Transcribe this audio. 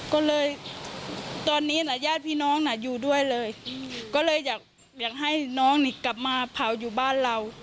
ก็เลยตอนนี้แหละญาติพี่น้องน่ะอยู่ด้วยเลยก็เลยอยากให้น้องนี่กลับมาเผาอยู่บ้านเรา